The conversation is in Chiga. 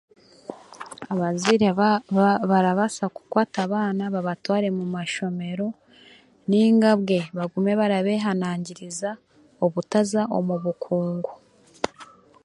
Abazaire ba ba barabaasa kukwata abaana babatware mu mashomero, nainga bwe bagume barabehanangiriza obutaza omu bukungu.